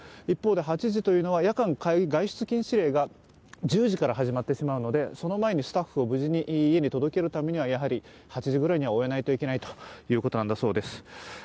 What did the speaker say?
一方で８時というのは夜間外出禁止令が１０時からなのでその前にスタッフを無事に家に届けるためには、やはり８時ぐらいには終えないといけないということなんだそうです。